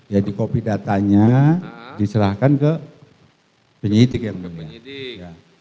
ya dikopi datanya diserahkan ke penyidik yang mulia